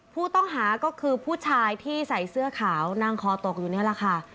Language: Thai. ผู้ต้องหาก็คือผู้ชายที่ใส่เสื้อขาวนั่งคอตกอยู่นี่แหละค่ะ